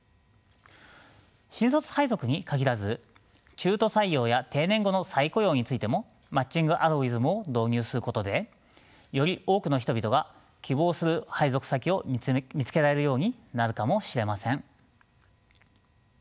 新卒配属に限らず中途採用や定年後の再雇用についてもマッチングアルゴリズムを導入することでより多くの人々が希望する配属先を見つけられるようになるかもしれません。